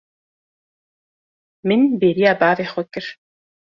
Min bêriya bavê xwe kir.